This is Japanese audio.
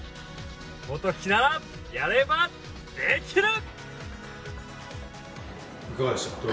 本気なら、やればできる。